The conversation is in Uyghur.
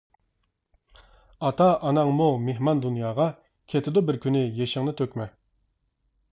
ئاتا-ئاناڭمۇ مېھمان دۇنياغا كېتىدۇ بىر كۈنى، يېشىڭنى تۆكمە.